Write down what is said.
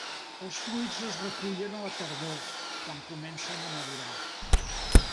Els fruits es recullen a la tardor quan comencen a madurar.